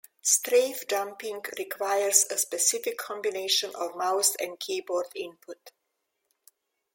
Strafe-jumping requires a specific combination of mouse and keyboard input.